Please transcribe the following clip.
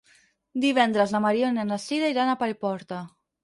Divendres na Mariona i na Sira iran a Paiporta.